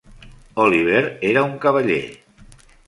Oliver era un cavaller.